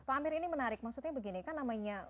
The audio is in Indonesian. pak amir ini menarik maksudnya begini kan namanya